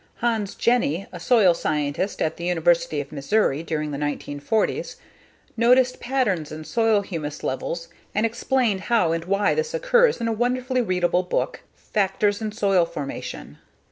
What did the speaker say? Hans Jenny, a soil scientist at the University of Missouri during the 1940s, noticed patterns in soil humus levels and explained how and why this occurs in a wonderfully readable book, _Factors in Soil Formation.